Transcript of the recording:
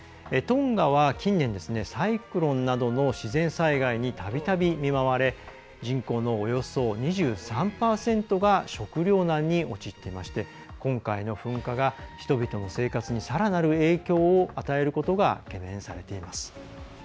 トンガは近年、サイクロンなどの自然災害にたびたび見舞われ人口のおよそ２３％が食糧難に陥っていまして今回の噴火が人々の生活にさらなる影響を与えることが懸念されています。